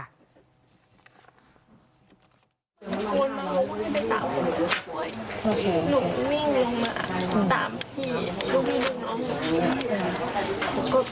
ดวนมาโหมบนี่ไปตามหลุมหน้าโพยหนูวิ่งลงมาตามพี่ดูพี่หนุ่มหน้ามีขึ้น